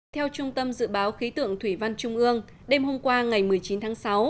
theo trung tâm dự báo khí tượng thủy văn trung ương đêm hôm qua ngày một mươi chín tháng sáu